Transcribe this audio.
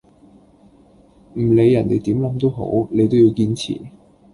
唔理人地點諗都好，你都要堅持